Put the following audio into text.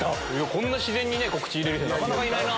こんな自然に告知入れれる人なかなかいないな。